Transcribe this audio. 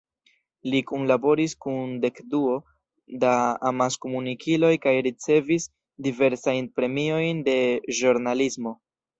Li kunlaboris kun dekduo da amaskomunikiloj kaj ricevis diversajn premiojn de ĵurnalismo.